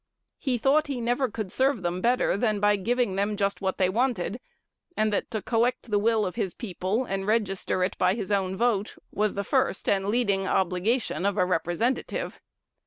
He thought he never could serve them better than by giving them just what they wanted; and that to collect the will of his people, and register it by his own vote, was the first and leading obligation of a representative.